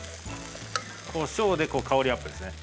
こしょうで香りアップですね。